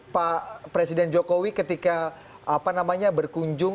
pak presiden jokowi ketika berkunjung